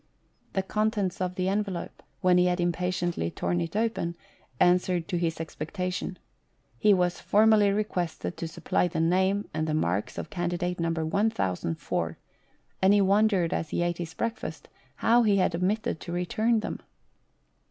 The contents of the envelope, when he had impatiently torn it open, answered to his expectation — he was formally requested to supply the name and the marks of candidate No. 1004, and he wondered, as he ate his breakfast, how he had omitted to return them.